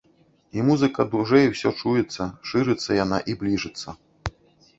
І музыка дужэй усё чуецца, шырыцца яна і бліжыцца.